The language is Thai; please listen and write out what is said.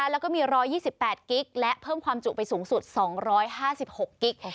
แล้วก็มี๑๒๘กิ๊กและเพิ่มความจุไปสูงสุด๒๕๖กิ๊ก